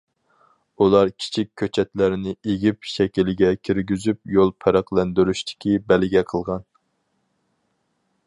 ئۇلار كىچىك كۆچەتلەرنى ئېگىپ شەكىلگە كىرگۈزۈپ يول پەرقلەندۈرۈشتىكى بەلگە قىلغان.